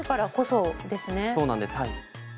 そうなんですはい。